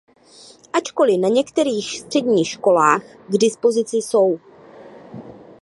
Ačkoli na některých středních školách k dispozici jsou.